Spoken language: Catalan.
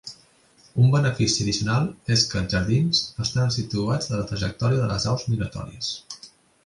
Un benefici addicional és que els jardins estan situats a la trajectòria de les aus migratòries.